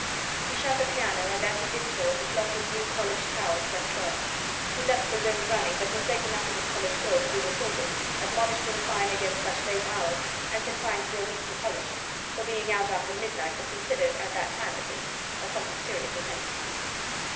He shut the piano, and as he did so the clock in New College tower struck twelve. He left the room running, but was late enough at his college door to be reported, admonished with a fine against such late hours, and confined for a week to college; for being out after midnight was considered, at that time at least, a somewhat serious offence.